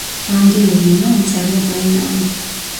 ანდიური ენა უმწერლობო ენაა.